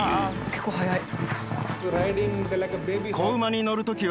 結構速い。